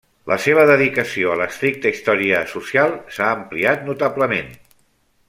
La seva dedicació a l'estricta història social s'ha ampliat notablement.